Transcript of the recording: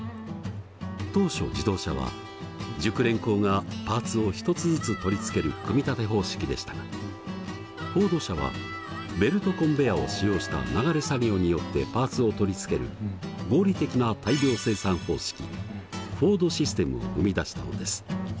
当初自動車は熟練工がパーツを一つずつ取り付ける組み立て方式でしたがフォード社はベルトコンベヤーを使用した流れ作業によってパーツを取り付ける合理的な大量生産方式フォードシステムを生み出したのです。